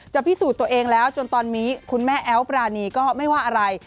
พิสูจน์ตัวเองแล้วจนตอนนี้คุณแม่แอ๊วปรานีก็ไม่ว่าอะไร